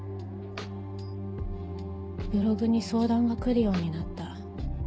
ブログに相談が来るようになった。